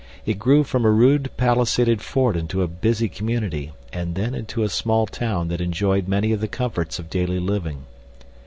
It grew from a rude palisaded fort into a busy community and then into a small town that enjoyed many of the comforts of daily living.